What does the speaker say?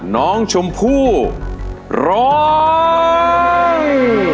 น้องชมพู่ร้อง